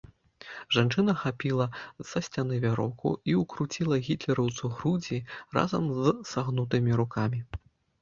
Жанчына хапіла са сцяны вяроўку і ўкруціла гітлераўцу грудзі, разам з сагнутымі рукамі.